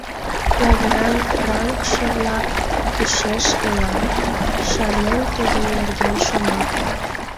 «Лавыран франкше-влак кӱшеш ила», – шарлен тудын нерген шомак.